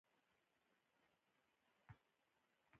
زموږ حاکم غیرتي تمایل باید بېرته تصحیح شي.